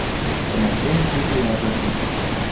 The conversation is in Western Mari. Тӹнӓмшен куд иӓт эртен.